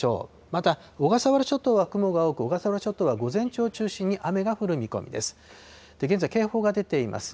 また小笠原諸島は雲が多く、小笠原諸島は午前中を中心に雨が降る見込みです。